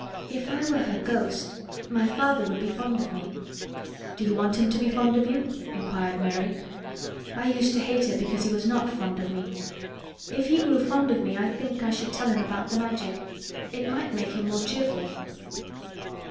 "If I were her ghost—my father would be fond of me," he said. "Do you want him to be fond of you?" inquired Mary. "I used to hate it because he was not fond of me. If he grew fond of me I think I should tell him about the Magic. It might make him more cheerful."